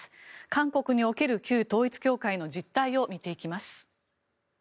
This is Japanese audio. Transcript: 韓国における旧統一教会の実態を見ていきます。